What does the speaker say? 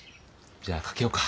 じゃあかけようか。